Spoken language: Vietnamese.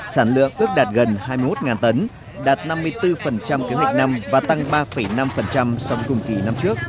sản lượng ước đạt gần hai mươi một tấn đạt năm mươi bốn kế hoạch năm và tăng ba năm so với cùng kỳ năm trước